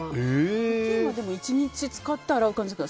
ふきんは１日使って洗う感じですか。